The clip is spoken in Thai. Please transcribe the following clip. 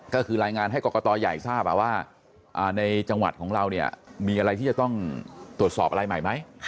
ก็คือรายงานให้กรกตใหญ่ทราบว่าในจังหวัดของเราเนี่ยมีอะไรที่จะต้องตรวจสอบอะไรใหม่ไหม